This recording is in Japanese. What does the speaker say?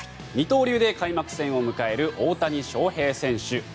二刀流で開幕戦を迎える大谷翔平選手。